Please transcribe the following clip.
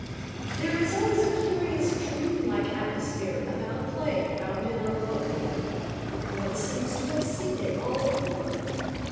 There is always a curiously dream like atmosphere about a play founded on a book. One seems to have seen it all before.